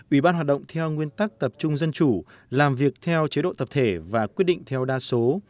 ủy ban hoạt động theo nguyên tắc tập trung dân chủ làm việc theo chế độ tập thể và quyết định theo đa số